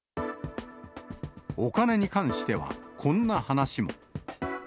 お金に関しては、こんな話も。